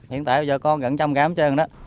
hiện tại giờ còn gần một trăm linh gram trên đó